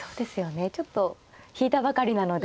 ちょっと引いたばかりなので。